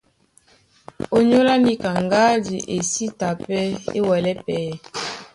Ónyólá níka, ŋgádi e sí ta pɛ́ é wɛlɛ́ pɛyɛ.